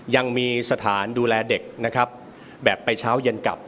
ยังมีสถานดูแลเด็กนะครับแบบไปเช้าเย็นกลับ